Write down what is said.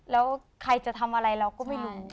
แล้วใครจะทำอะไรเราก็ไม่รู้